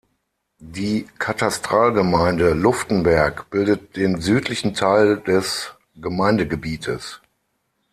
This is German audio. Die Katastralgemeinde Luftenberg bildet den südlichen Teil des Gemeindegebietes.